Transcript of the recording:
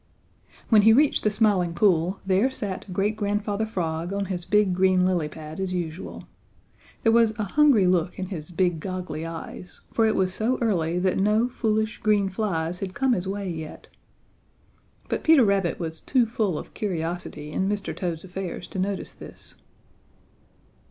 When he reached the Smiling Pool there sat Great Grandfather Frog on his big green lily pad as usual. There was a hungry look in his big goggly eyes, for it was so early that no foolish, green flies had come his way yet. But Peter Rabbit was too full of curiosity in Mr. Toad's affairs to notice this.